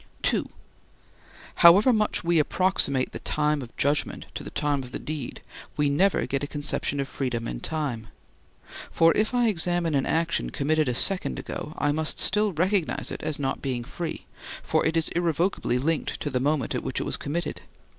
(2) However much we approximate the time of judgment to the time of the deed, we never get a conception of freedom in time. For if I examine an action committed a second ago I must still recognize it as not being free, for it is irrevocably linked to the moment at which it was committed.